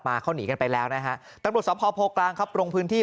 มาเข้าหนีกันไปแล้วนะฮะต้องผ่อโปรกลางครับโรงพื้นที่